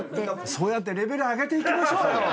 そうやってレベル上げていきましょうよ。